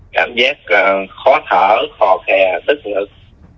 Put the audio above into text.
cảm giác khó thở khò khè tức ngực